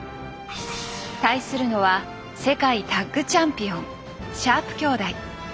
対するのは世界タッグチャンピオンシャープ兄弟。